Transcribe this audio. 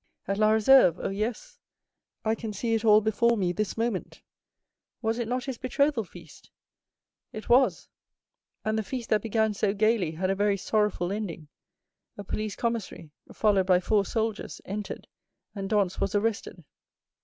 "At La Réserve! Oh, yes; I can see it all before me this moment." "Was it not his betrothal feast?" "It was and the feast that began so gayly had a very sorrowful ending; a police commissary, followed by four soldiers, entered, and Dantès was arrested."